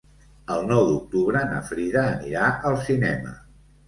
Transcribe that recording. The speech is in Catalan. El nou d'octubre na Frida anirà al cinema.